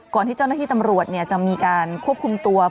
ที่เจ้าหน้าที่ตำรวจจะมีการควบคุมตัว